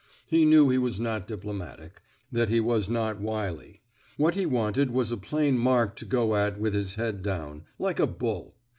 He knew he was not diplomatic, that he was not wily; what he wanted was a pl^in mark to go at with his head down, like a bull.